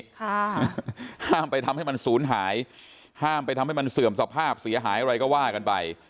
ห้ามไปทำให้มันศูนย์หายห้ามไปทำให้มันเสื่อมสภาพเสียหายอะไรก็ว่ากันไป